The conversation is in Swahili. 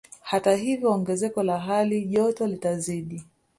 Hata hivyo ongezeko la hali joto litazidi